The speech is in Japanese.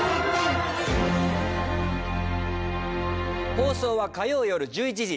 放送は火曜夜１１時。